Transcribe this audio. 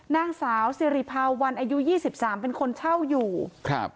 นางสาวสิริภาวันอายุยี่สิบสามเป็นคนเช่าอยู่ครับ